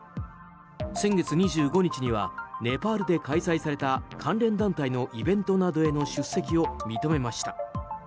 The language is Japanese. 先月２５日にはネパールで開催された関連団体のイベントなどへの出席を認めました。